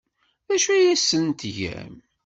D acu ay asen-tgam?